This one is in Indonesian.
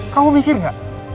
kamu mikir gak